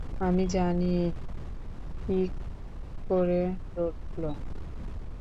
আমি জানি ৎ কী করে রটল।